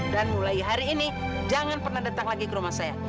dan mulai hari ini jangan pernah datang lagi ke rumah saya